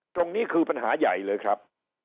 ตรงนี้คือปัญหาใหญ่เลยครับ